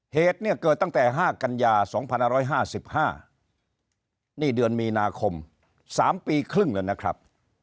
เหตุเนี่ยเกิดตั้งแต่๕กันยา๒๕๕นี่เดือนมีนาคม๓ปีครึ่งแล้วนะครับ